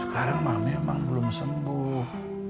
sekarang mami memang belum sembuh